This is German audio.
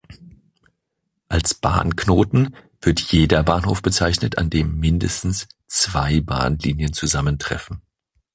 Als Bahnknoten wird jeder Bahnhof bezeichnet, an dem mindestens zwei Bahnlinien zusammentreffen.